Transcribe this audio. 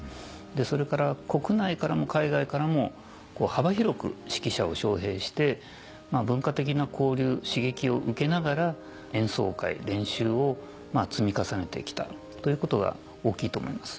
それから国内からも海外からも幅広く指揮者を招聘して文化的な交流刺激を受けながら演奏会練習を積み重ねてきたということが大きいと思います。